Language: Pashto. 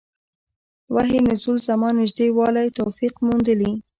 وحي نزول زمان نژدې والی توفیق موندلي.